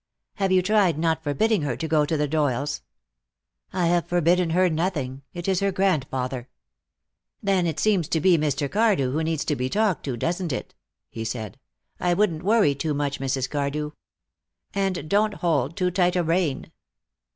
"Have you tried not forbidding her to go to the Doyles?" "I have forbidden her nothing. It is her grandfather." "Then it seems to be Mr. Cardew who needs to be talked to, doesn't it?" he said. "I wouldn't worry too much, Mrs. Cardew. And don't hold too tight a rein."